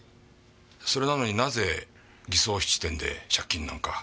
それなのになぜ偽装質店で借金なんか。